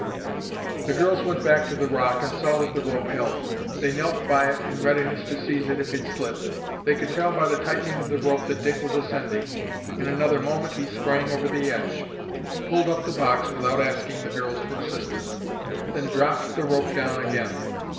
The girls went back to the rock and saw that the rope held. They knelt by it in readiness to seize it if it slipped. They could tell by the tightening of the rope that Dick was ascending. In another moment, he sprang over the edge, pulled up the box without asking the girls for assistance, then dropped the rope down again.